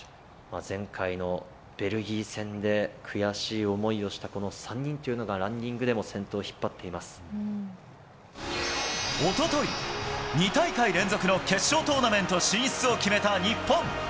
前回のベルギー戦で悔しい思いをしたこの３人というのが、ランニおととい、２大会連続の決勝トーナメント進出を決めた日本。